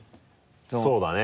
そうだね。